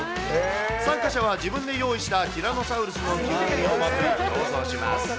参加者は自分で用意したティラノサウルスの着ぐるみをまとい、競争します。